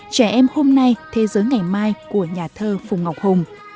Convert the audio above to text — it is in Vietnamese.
trẻ em hôm nay thế giới ngày mai của nhà thơ phùng ngọc hùng